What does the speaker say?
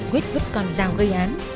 quyết vứt con dao gây án